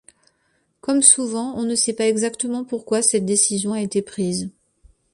Comme souvent on ne sait pas exactement pourquoi cette décision a été prise.